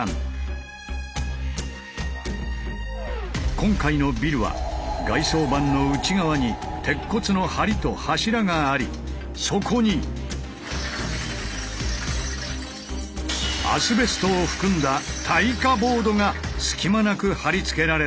今回のビルは外装板の内側に鉄骨の梁と柱がありそこにアスベストを含んだ耐火ボードが隙間なく貼り付けられている。